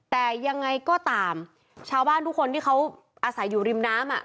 แต่ยังไงก็ตามชาวบ้านทุกคนที่เขาอาศัยอยู่ริมน้ำอ่ะ